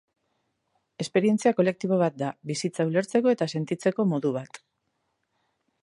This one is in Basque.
Esperientzia kolektibo bat da, bizitza ulertzeko eta sentitzeko modu bat.